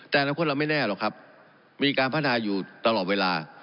แต่อนาคตเราไม่แน่หรอกครับมีการพัฒนาอยู่ตลอดเวลา